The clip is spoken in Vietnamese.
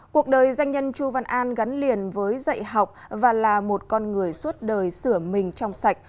cuộc đời doanh nhân chu văn an gắn liền với dạy học và là một con người suốt đời sửa mình trong sạch